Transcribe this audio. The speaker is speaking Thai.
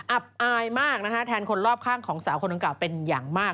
อับอายมากนะคะแทนคนรอบข้างของสาวคนดังกล่าวเป็นอย่างมาก